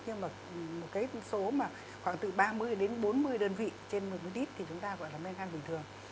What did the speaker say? nhưng mà một cái số khoảng từ ba mươi đến bốn mươi đơn vị trên mililit thì chúng ta gọi là mẹn gan bình thường